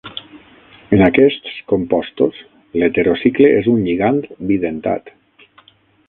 En aquests compostos, l'heterocicle és un lligand bidentat.